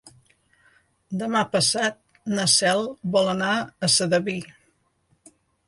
Demà passat na Cel vol anar a Sedaví.